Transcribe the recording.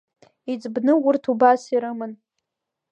Иӡбны урҭ убас ирыман…